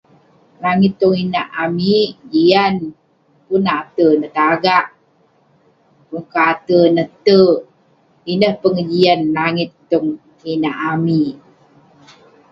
Langit tong inak amik jian. Pun ate ne tagak, pun ke ate ne tek. Ineh pengejian langit tong inak amik.